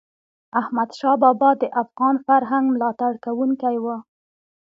احمدشاه بابا د افغان فرهنګ ملاتړ کوونکی و.